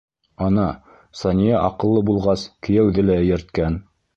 Ана, Сания аҡыллы булғас, кейәүҙе лә эйәрткән.